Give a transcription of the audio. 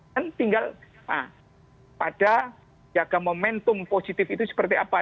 dan tinggal nah pada jaga momentum positif itu seperti apa